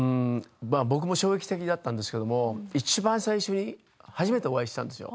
僕も衝撃的だったんですけどいちばん最初に、初めてお会いしたんですよ。